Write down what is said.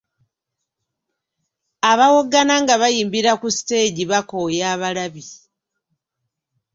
Abawoggana nga bayimbira ku siteegi bakooya abalabi.